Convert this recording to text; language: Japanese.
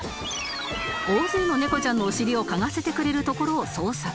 大勢の猫ちゃんのお尻を嗅がせてくれる所を捜索